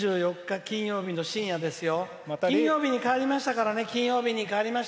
金曜日の夜ですよ。